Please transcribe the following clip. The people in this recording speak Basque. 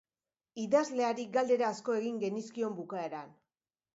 Idazleari galdera asko egin genizkion bukaeran.